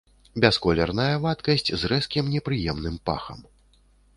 Бясколерная вадкасць з рэзкім непрыемным пахам.